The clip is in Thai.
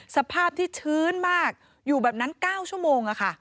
สภาพที่ชื้นมากอยู่แบบนั้น๙ชั่วโมง